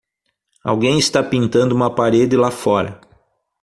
Alguém está pintando uma parede lá fora.